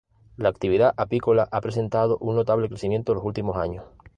La actividad apícola ha presentado un notable crecimiento en los últimos años.